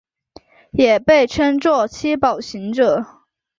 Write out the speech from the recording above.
也被称作七宝行者。